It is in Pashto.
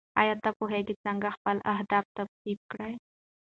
ایا ته پوهېږې څنګه خپل اهداف تعقیب کړې؟